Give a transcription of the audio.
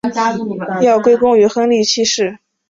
常备海军力量的建立在很大程度上要归功于亨利七世。